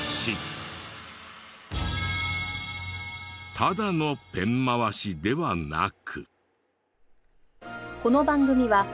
ただのペン回しではなく。